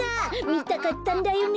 みたかったんだよね。